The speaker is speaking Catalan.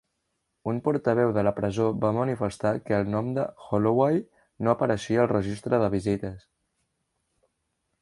Un portaveu de la presó va manifestar que el nom de Holloway no apareixia al registre de visites.